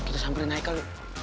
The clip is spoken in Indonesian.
mun kita samperin haikal